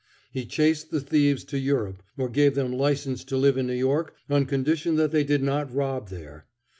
He chased the thieves to Europe, or gave them license to live in New York on condition that they did not rob there.